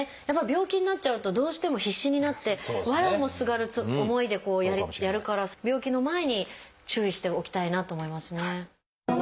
やっぱり病気になっちゃうとどうしても必死になってわらをもすがる思いでこうやるから病気の前に注意しておきたいなと思いますね。